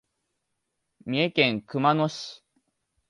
三重県熊野市